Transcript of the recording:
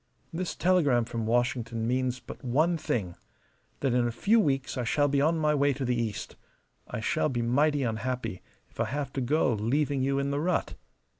This telegram from Washington means but one thing: that in a few weeks I shall be on my way to the East. I shall be mighty unhappy if I have to go leaving you in the rut.